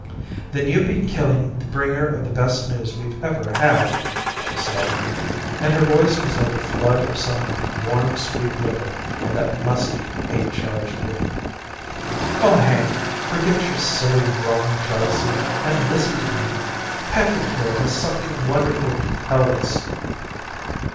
"Then you'd be killing the bringer of the best news we've ever had," she said, and her voice was like a flood of some warm sweet liquor in that musty, hate charged room. "Oh, Hank, forget your silly, wrong jealousy and listen to me. Patrick here has something wonderful to tell us."